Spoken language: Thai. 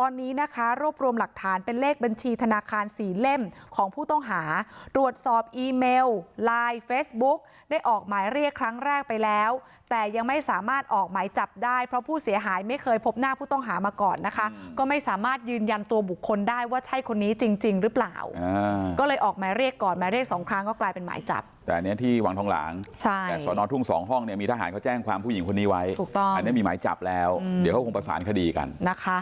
ทีนี้นะคะรวบรวมหลักฐานเป็นเลขบัญชีธนาคารสี่เล่มของผู้ต้องหารวดสอบอีเมลไลน์เฟสบุ๊คได้ออกหมายเรียกครั้งแรกไปแล้วแต่ยังไม่สามารถออกหมายจับได้เพราะผู้เสียหายไม่เคยพบหน้าผู้ต้องหามาก่อนนะคะก็ไม่สามารถยืนยันตัวบุคคลได้ว่าใช่คนนี้จริงจริงหรือเปล่าก็เลยออกหมายเรียกก่อนมาเรียกสองครั้งก็กล